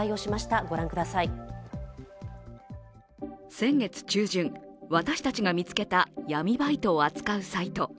先月中旬、私たちが見つけた闇バイトを扱うサイト。